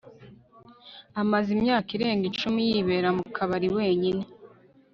amaze imyaka irenga icumi yibera mu kabari wenyine